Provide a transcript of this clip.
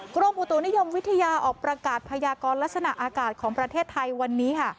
กรมอุตุนิยมวิทยาออกประกาศพยากรลักษณะอากาศของประเทศไทยวันนี้ค่ะ